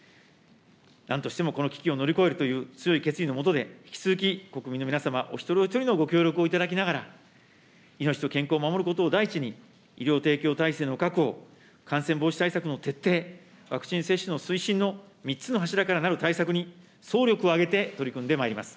なんとしてもこの危機を乗り越えるという強い決意のもとで、引き続き、国民の皆様お一人お一人のご協力をいただきながら、命と健康を守ることを第一に、医療提供体制の確保、感染防止対策の徹底、ワクチン接種の推進の３つの柱からなる対策に、総力を挙げて取り組んでまいります。